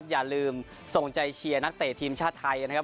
อย่าลืมส่งใจเชียร์นักเตะทีมชาติไทยนะครับ